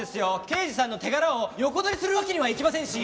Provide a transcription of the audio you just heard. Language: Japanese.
刑事さんの手柄を横取りするわけにはいきませんし。